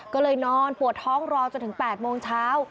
ก็เลยนอนปวดท้องรอจนถึง๘โมงเช้า